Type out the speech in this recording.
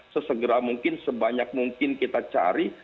sesegera mungkin sebanyak mungkin kita cari